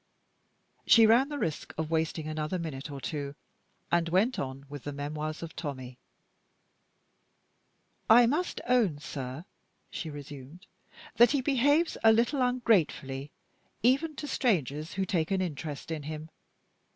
She ran the risk of wasting another minute or two, and went on with the memoirs of Tommie. "I must own, sir," she resumed, "that he behaves a little ungratefully even to strangers who take an interest in him.